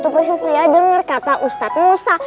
prinsip dia itu dengarkan kata ustadz musa